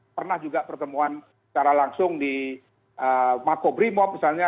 pernah juga pertemuan secara langsung di makobrimob misalnya